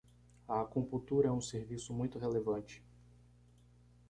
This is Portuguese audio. A acupuntura é um serviço muito relevante.